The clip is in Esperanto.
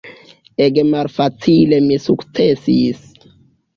Ege malfacile mi sukcesis.